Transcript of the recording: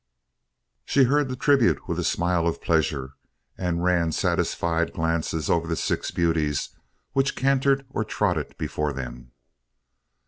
She heard the tribute with a smile of pleasure and ran satisfied glances over the six beauties which cantered or trotted before them.